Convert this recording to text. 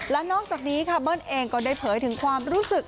และนอกจากนี้ค่ะเบิ้ลเองก็ได้เผยถึงความรู้สึก